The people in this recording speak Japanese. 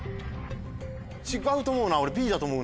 違うと思うな俺。